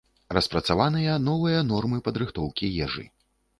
Распрацаваныя новыя нормы падрыхтоўкі ежы.